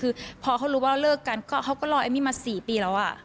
คือพอเขารู้ว่าเลิกกันก็เขาก็รอเอมมี่มา๔ปีแล้ว